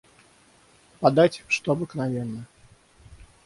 Подать, что обыкновенно.